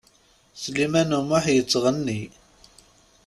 Sliman U Muḥ yettɣenni.